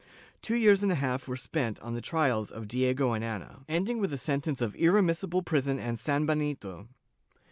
Two years and a half were spent on the trislls of Diego and Ana, ending with a sentence of irremissible prison and sanbenito.